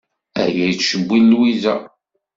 Aya yettcewwil Lwiza.